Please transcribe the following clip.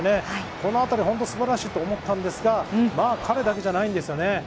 この当たりはすばらしいと思ったんですが彼だけじゃないんですよね。